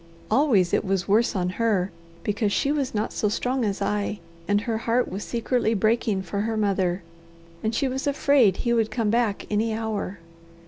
Always it was worse on her, because she was not so strong as I, and her heart was secretly breaking for her mother, and she was afraid he would come back any hour.